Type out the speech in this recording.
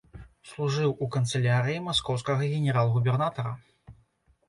Служыў у канцылярыі маскоўскага генерал-губернатара.